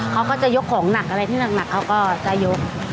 เขาก็จะยกของหนักอะไรที่หนักเขาก็จะยก